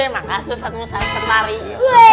makasih ustadz musa dan ustadz fahri